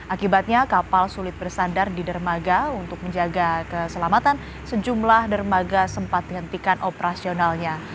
akibatnya kapal sulit bersandar di dermaga untuk menjaga keselamatan sejumlah dermaga sempat dihentikan operasionalnya